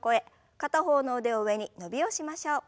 片方の腕を上に伸びをしましょう。